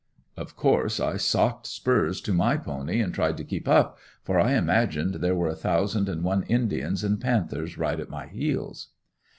Of course I socked spurs to my pony and tried to keep up, for I imagined there were a thousand and one indians and panthers right at my heels.